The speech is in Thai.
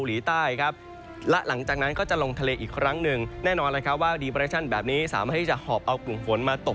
อีกครั้งหนึ่งแน่นอนแหละครับว่าแบบนี้สามารถที่จะหอบเอากลุ่มฝนมาตก